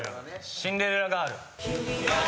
『シンデレラガール』お見事。